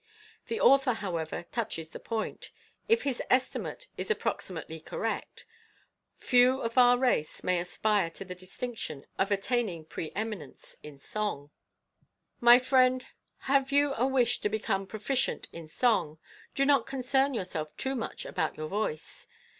The author, however, touches the point. If his estimate is approximately correct, few of our race may aspire to the distinction of attaining preeminence in song. My friend, have you a wish to become proficient in song? Do not concern yourself too much about your voice.